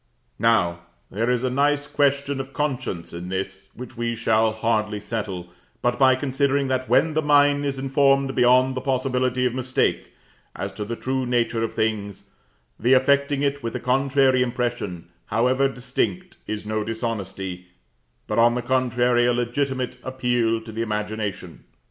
Now, there is a nice question of conscience in this, which we shall hardly settle but by considering that, when the mind is informed beyond the possibility of mistake as to the true nature of things, the affecting it with a contrary impression, however distinct, is no dishonesty, but on the contrary, a legitimate appeal to the imagination.